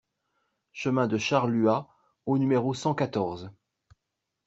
Chemin de Charluat au numéro cent quatorze